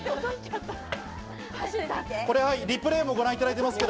リプレイもご覧いただいています。